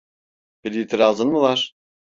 Bir itirazın mı var?